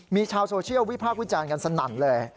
มีชาวโซเชียลวิพากษ์วิจารณ์กันสนั่นเลย